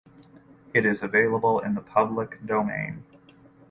It is available in the public domain.